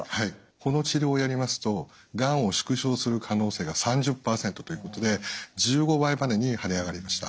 この治療をやりますとがんを縮小する可能性が３０％ということで１５倍までに跳ね上がりました。